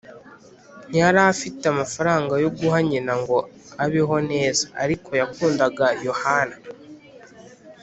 ntiyari afite amafaranga yo guha nyina ngo abeho neza; ariko yakundaga yohana,